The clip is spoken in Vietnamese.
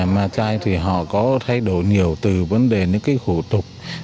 mà chai thì họ có thay đổi nhiều từ vấn đề những cái khủ tục